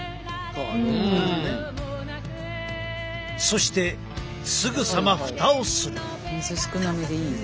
そしてすぐさまふたをする。